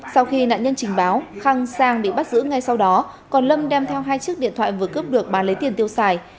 sau khi nạn nhân trình báo khang sang bị bắt giữ ngay sau đó còn lâm đem theo hai chiếc điện thoại vừa cướp được bán lấy tiền tiêu xài